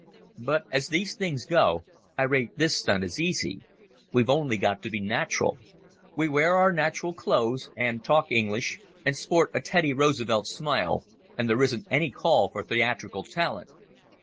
But as these things go, I rate this stunt as easy. We've only got to be natural. We wear our natural clothes, and talk English, and sport a Teddy Roosevelt smile, and there isn't any call for theatrical talent.